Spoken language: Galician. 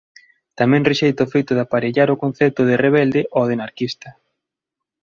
Tamén rexeita o feito de aparellar o concepto de rebelde ó de anarquista.